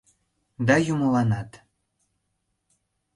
да юмыланат